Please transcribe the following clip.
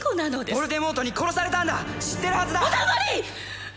ヴォルデモートに殺されたんだ知ってるはずだお黙り！